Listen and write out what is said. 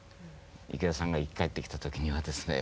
池田さんが生き返ってきた時にはですね